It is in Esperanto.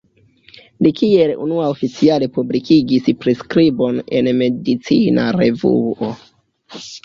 Li kiel unua oficiale publikigis priskribon en medicina revuo.